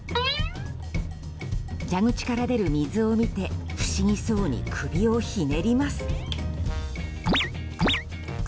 蛇口から出る水を見て不思議そうに首をひねります。